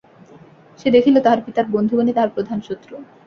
সে দেখিল, তাহার পিতার বন্ধুগণই তাহার প্রধান শত্রু।